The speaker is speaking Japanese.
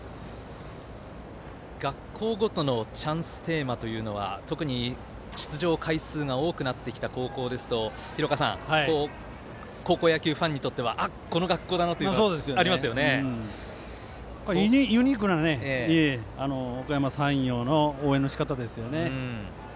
学校ごとのチャンステーマというのは特に、出場回数が多くなってきた高校ですと高校野球ファンにとってはあっ、この学校だなというのはユニークなおかやま山陽の応援のしかたですよね。